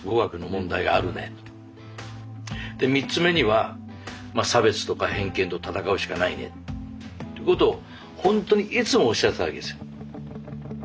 で３つ目には差別とか偏見と闘うしかないねってことをほんとにいつもおっしゃってたわけですよ。